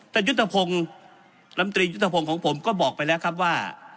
ยุทธพงศ์ลำตรียุทธพงศ์ของผมก็บอกไปแล้วครับว่า